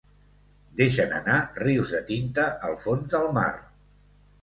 Deixen anar rius de tinta al fons del mar.